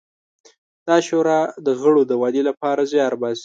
دا شورا د غړو د ودې لپاره زیار باسي.